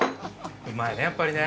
うまいね、やっぱりね。